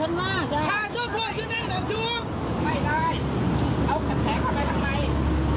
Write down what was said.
หลังคุยกับพวกพระเนี่ย